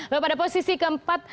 lalu pada posisi keempat